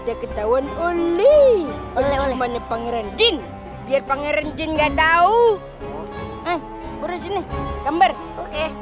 deketawan oleh oleh oleh pangeran jin biar pangeran jin nggak tahu